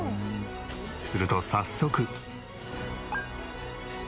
すると早速。